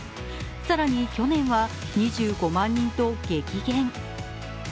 更に去年は２５万人と激減。